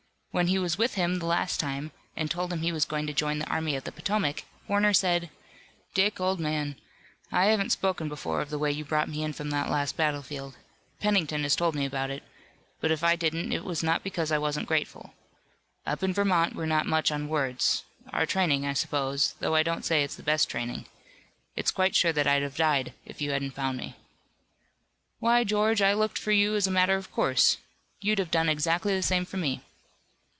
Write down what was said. When he was with him the last time, and told him he was going to join the Army of the Potomac, Warner said: "Dick, old man, I haven't spoken before of the way you brought me in from that last battlefield. Pennington has told me about it but if I didn't it was not because I wasn't grateful. Up in Vermont we're not much on words our training I suppose, though I don't say it is the best training. It's quite sure that I'd have died if you hadn't found me." "Why, George, I looked for you as a matter of course. You'd have done exactly the same for me."